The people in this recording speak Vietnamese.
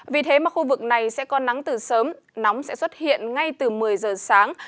vì thế mà khu vực này sẽ có nắng từ sớm nóng sẽ xuất hiện ngay từ một mươi giờ sáng